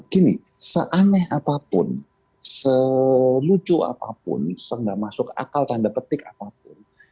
gini seaneh apapun selucu apapun tidak masuk akal tanda petik apapun